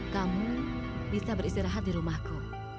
kamu bisa beristirahat di rumahku